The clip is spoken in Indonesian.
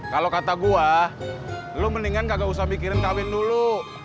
kalau kata gua lu mendingan gak usah mikirin kawin dulu